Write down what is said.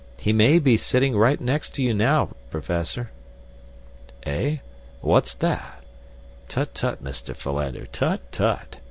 He may be sitting right next to you now, Professor." "Eh? What's that? Tut, tut, Mr. Philander, tut, tut!"